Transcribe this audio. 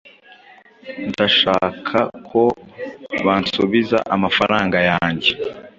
Ndashaka ko bansubiza amafaranga yanjye.